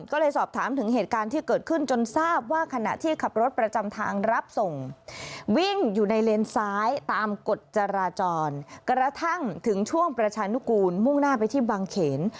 ก็เลยสอบถามถึงเหตุการณ์ที่เกิดขึ้นจนทราบว่าขณะที่ขับรถประจำทางรับส่งวิ่งอยู่ในเลนซ้ายตามกฎจราจรกระทั่งถึงช่วงประชานุกูลมุ่งหน้าไปที่บางเขน